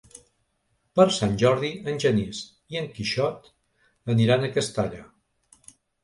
Per Sant Jordi en Genís i en Quixot aniran a Castalla.